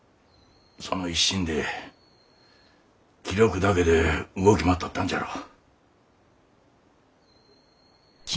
その一心で気力だけで動き回っとったんじゃろう。